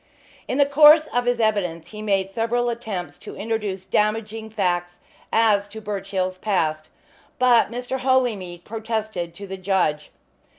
In the course of his evidence he made several attempts to introduce damaging facts as to Birchill's past, but Mr. Holymead protested to the judge.